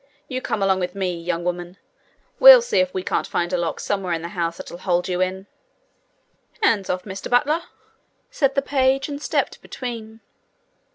You come along with me, young woman; we'll see if we can't find a lock somewhere in the house that'll hold you in!' 'Hands off, Mr Butler!' said the page, and stepped between.